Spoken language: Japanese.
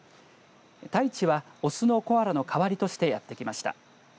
タイチは雄のコアラの代わりとしてやってきました。